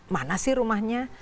mana sih rumahnya